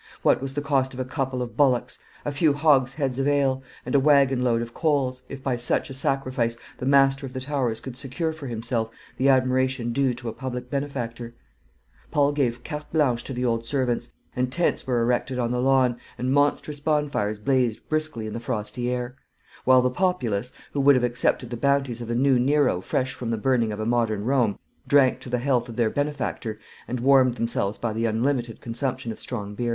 What was the cost of a couple of bullocks, a few hogsheads of ale, and a waggon load of coals, if by such a sacrifice the master of the Towers could secure for himself the admiration due to a public benefactor? Paul gave carte blanche to the old servants; and tents were erected on the lawn, and monstrous bonfires blazed briskly in the frosty air; while the populace, who would have accepted the bounties of a new Nero fresh from the burning of a modern Rome, drank to the health of their benefactor, and warmed themselves by the unlimited consumption of strong beer.